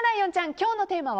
今日のテーマは？